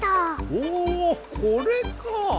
おこれか！